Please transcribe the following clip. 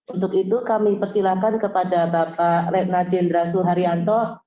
untuk itu kami persilahkan kepada bapak retna jendrasul haryanto